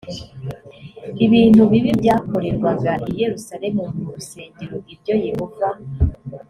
ibintu bibi byakorerwaga i yerusalemu mu rusengero ibyo yehova